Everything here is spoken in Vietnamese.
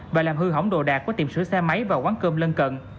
và làm hư hỏng đồ đạc của tiệm sửa xe máy và quán cơm lân cận